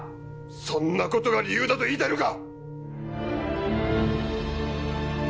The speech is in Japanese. そんなことが理由だと言いたいのか！？